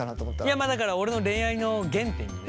いやまあだから俺の恋愛の原点にね。